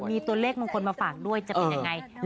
มีตัวเลขมงคลมาฝากด้วยจะเป็นยังไง